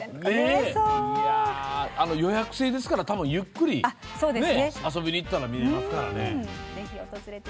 予約制ですから、ゆっくり遊びに行ったら見れますからね。